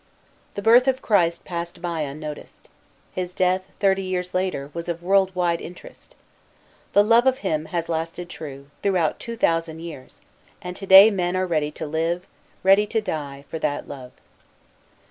The birth of Christ passed by unnoticed. His death, thirty years later, was of world wide interest. The love of Him, has lasted true, throughout two thousand years, and to day men are ready to live, ready to die, for that love.